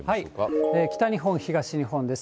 北日本、東日本です。